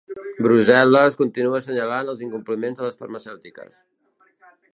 Brussel·les continua assenyalant els incompliments de les farmacèutiques.